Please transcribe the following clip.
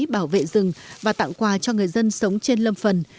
bảo vệ rừng và tặng quà cho người dân sống trên lâm phần